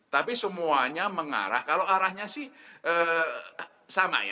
tapi semuanya mengarah kalau arahnya sih sama ya